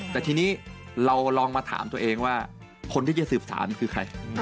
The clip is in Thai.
แต่ทีนี้เราลองมาถามตัวเองว่าคนที่จะสืบสารคือใคร